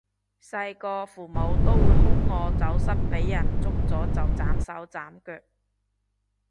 細個父母都會兇我走失畀人捉咗就斬手斬腳